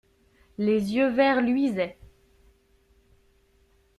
Les yeux verts luisaient.